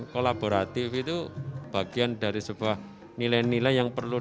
kolaboratif itu bagian dari sebuah nilai nilai yang perlu